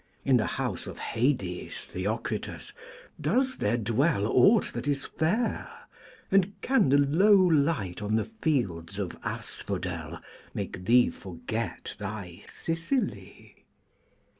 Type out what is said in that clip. In the House of Hades, Theocritus, doth there dwell aught that is fair, and can the low light on the fields of asphodel make thee forget thy Sicily?